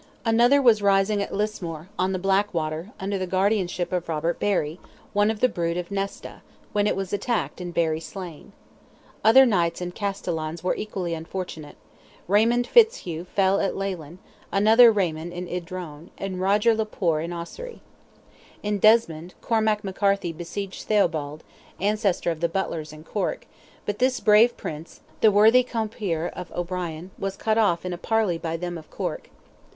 Another was rising at Lismore, on the Blackwater, under the guardianship of Robert Barry, one of the brood of Nesta, when it was attacked and Barry slain. Other knights and castellans were equally unfortunate; Raymond Fitz Hugh fell at Leighlin, another Raymond in Idrone, and Roger le Poer in Ossory. In Desmond, Cormac McCarthy besieged Theobald, ancestor of the Butlers in Cork, but this brave Prince—the worthy compeer of O'Brien—was cut off "in a parlee by them of Cork."